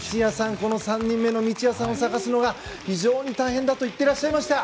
この３人目の三ツ谷さんを探すのが非常に大変だと言っていらっしゃいました。